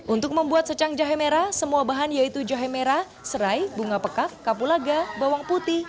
untuk membuat secang jahe merah semua bahan yaitu jahe merah serai bunga pekaf kapulaga bawang putih